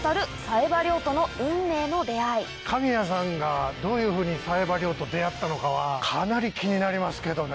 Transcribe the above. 神谷さんがどういうふうに冴羽と出会ったのかはかなり気になりますけどね。